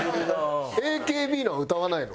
ＡＫＢのは歌わないの？